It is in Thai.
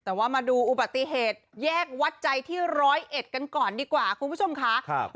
แต่ว่ามาดูอุบัติเหตุแยกวัดใจที่ร้อยเอ็ดกันก่อนดีกว่าคุณผู้ชมค่ะ